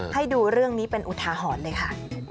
ให้ดูเรื่องนี้เป็นอุทาหรณ์เลยค่ะ